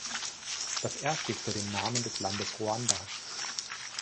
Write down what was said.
Das ‚R‘ steht für den Namen des Landes Ruanda.